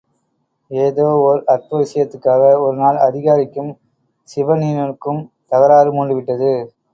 ஏதோ ஓர் அற்பவிஷயத்துக்காக ஒரு நாள் அதிகாரிக்கும் சிபனினுக்கும் தகராறு மூண்டுவிட்டது.